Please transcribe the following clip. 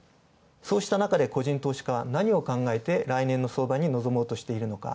そうしたなかで個人投資家は何を考えて、来年の相場にのぞもうとしているのか。